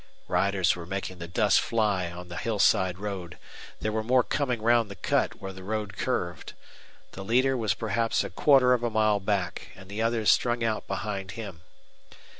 Riders were making the dust fly on the hillside road. There were more coming round the cut where the road curved. The leader was perhaps a quarter of a mile back, and the others strung out behind him.